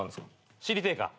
知りてえか？